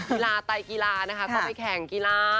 กีฬาไตกีฬานะคะเขาไปแข่งกีฬา